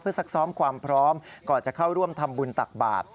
ซักซ้อมความพร้อมก่อนจะเข้าร่วมทำบุญตักบาท